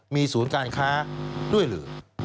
มีศูนย์การค้าด้วยหรือ